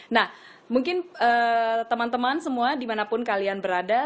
nah mungkin teman teman semua dimanapun kalian berada